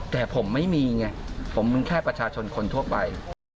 แต่ผมไม่มีไงผมเป็นแค่ประชาชนคนทั่วไป